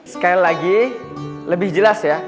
sekali lagi lebih jelas ya